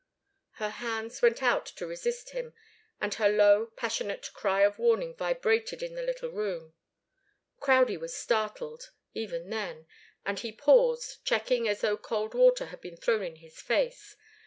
Her hands went out to resist him, and her low, passionate cry of warning vibrated in the little room. Crowdie was startled, even then, and he paused, checked as though cold water had been thrown in his face.